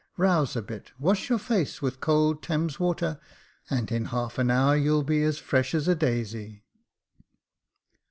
Rouse a bit, wash your face with cold Thames water, and in half an hour you'll be as fresh as a daisy."